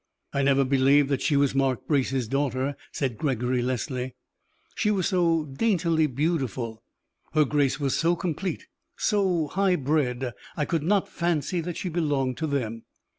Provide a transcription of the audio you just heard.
"I never believed that she was Mark Brace's daughter," said Gregory Leslie; "she was so daintily beautiful her grace was so complete, so high bred, I could not fancy that she belonged to them.